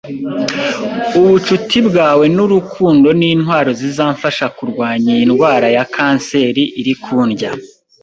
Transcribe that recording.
Ubucuti bwawe nurukundo nintwaro zizamfasha kurwanya iyi ndwara ya kanseri iri kundya!